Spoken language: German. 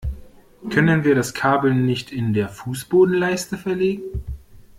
Können wir das Kabel nicht in der Fußbodenleiste verlegen?